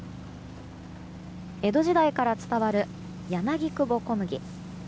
江戸時代から伝わる柳久保小麦。